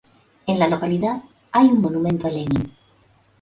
En la localidad hay un monumento a Lenin.